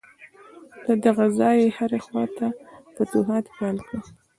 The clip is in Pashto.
له دغه ځایه یې هرې خواته فتوحات پیل کړل.